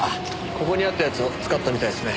ここにあったやつを使ったみたいですね。